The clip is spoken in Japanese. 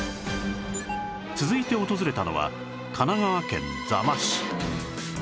続いて訪れたのは神奈川県座間市